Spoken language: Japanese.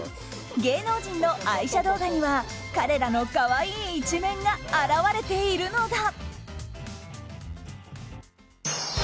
芸能人の愛車動画には彼らの可愛い一面が表れているのだ。